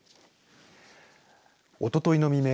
おとといの未明